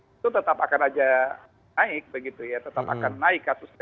itu tetap akan aja naik begitu ya tetap akan naik kasusnya